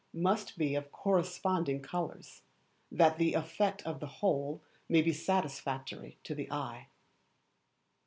must be of corresponding colours, that the effect of the whole may be satisfactory to the eye.